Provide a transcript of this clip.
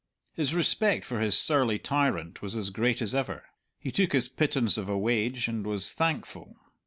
His respect for his surly tyrant was as great as ever; he took his pittance of a wage and was thankful.